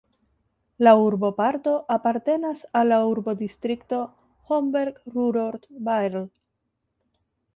La urboparto apartenas al la urbodistrikto Homberg-Ruhrort-Baerl.